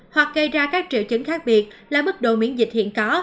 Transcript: hoặc gây ra các triệu chứng khác biệt là mức độ miễn dịch hiện có